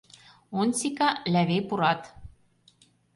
Онтика, Лявей пурат.